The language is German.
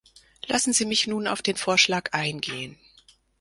Lassen Sie mich nun auf den Vorschlag eingehen.